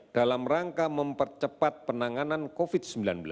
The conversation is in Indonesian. dalam rangka mempercepat penanganan covid sembilan belas